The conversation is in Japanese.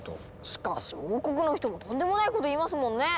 しかし王国の人もとんでもないこと言いますもんね！